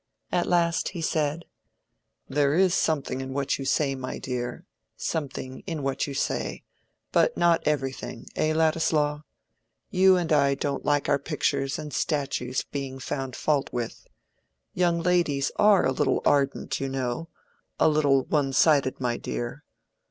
At last he said— "There is something in what you say, my dear, something in what you say—but not everything—eh, Ladislaw? You and I don't like our pictures and statues being found fault with. Young ladies are a little ardent, you know—a little one sided, my dear.